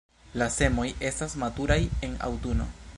La semoj estas maturaj en aŭtuno.